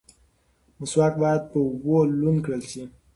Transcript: مسواک باید په اوبو لوند کړل شي.